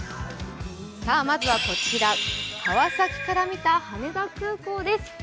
まずはこちら、川崎から見た羽田空港です。